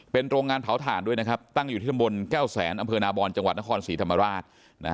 เป็นโรงงานเผาถ่านด้วยนะครับตั้งอยู่ที่ตำบลแก้วแสนอำเภอนาบอนจังหวัดนครศรีธรรมราช